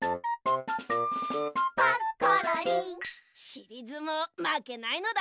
しりずもうまけないのだ！